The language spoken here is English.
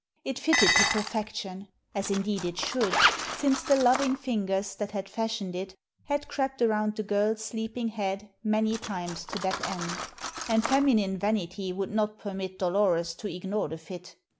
It fitted to perfection as indeed it should, since the loving fingers that had fashioned it had crept around the girl's sleeping head many times to that end and feminine vanity would not permit Dolores to ignore the fit.